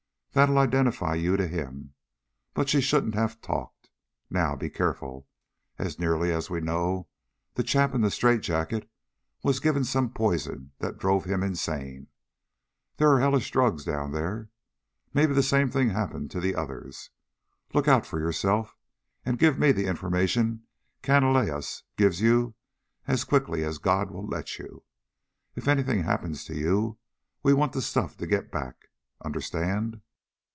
That'll identify you to him. But she shouldn't have talked. Now, be careful. As nearly as we know, that chap in the straight jacket was given some poison that drove him insane. There are hellish drugs down there. Maybe the same thing happened to others. Look out for yourself, and give me the information Canalejas gives you as quickly as God will let you. If anything happens to you, we want the stuff to get back. Understand?"